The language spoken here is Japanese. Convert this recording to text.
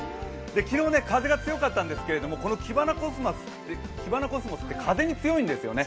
昨日、風が強かったんですけれども、キバナコスモスって風に強いんですよね。